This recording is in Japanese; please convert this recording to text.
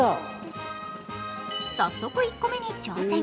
早速１個目に挑戦。